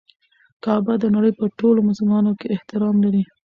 کعبه د نړۍ په ټولو مسلمانانو کې احترام لري.